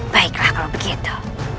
baiklah kalau begitu